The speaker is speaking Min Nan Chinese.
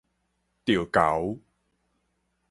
著猴